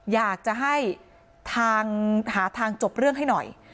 อยากจะหาทางจบเรื่องให้หน่อย